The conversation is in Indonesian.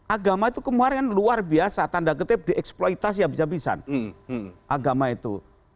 agama itu kemarin kan luar biasa tanda kutip dieksploitasi habis habisan agama itu